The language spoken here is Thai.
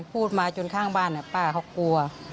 พูดมาจนข้างบ้านป้าเขากลัว